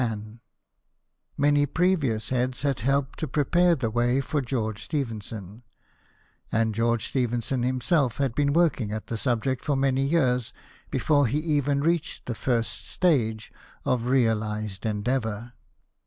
Many previous heads had helped to prepare the way for George Stephenson ; and George Stephenson himself had been working at the subject for many years before he even reached the nrst stage of realized endeayour.